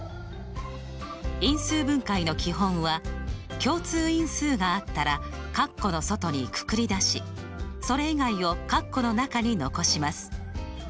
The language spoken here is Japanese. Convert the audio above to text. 因数分解の基本は共通因数があったらカッコの外にくくり出しそれ以外をカッコの中に残します。